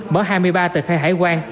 mở hai mươi ba tờ khai hải quan